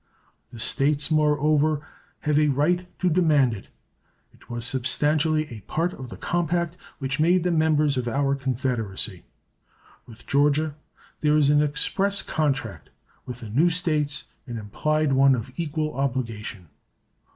The States, moreover, have a right to demand it. It was substantially a part of the compact which made them members of our Confederacy. With Georgia there is an express contract; with the new States an implied one of equal obligation.